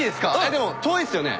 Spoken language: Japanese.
でも遠いっすよね？